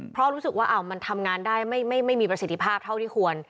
เพราะรู้สึกว่ามันทำงานได้ไม่มีประสิทธิภาพเท่าที่ควร